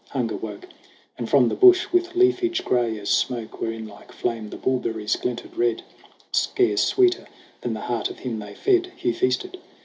Hunger woke ; And from the bush with leafage gray as smoke, Wherein like flame the bullberries glinted red (Scarce sweeter than the heart of him they fed), Hugh feasted.